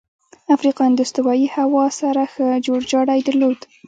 افریقایان د استوایي هوا سره ښه جوړجاړی درلود.